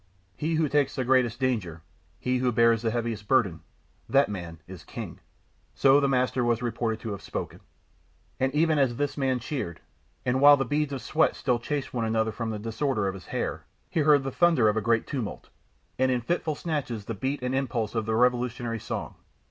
"He who takes the greatest danger, he who bears the heaviest burden, that man is King," so the Master was reported to have spoken. And even as this man cheered, and while the beads of sweat still chased one another from the disorder of his hair, he heard the thunder of a greater tumult, and in fitful snatches the beat and impulse of the revolutionary song.